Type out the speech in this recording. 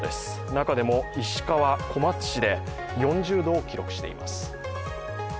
中でも石川・小松市で４０度を記録しています。